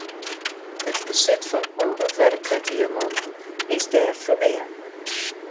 It besit fan ûnbewurke diamanten is dêr ferbean.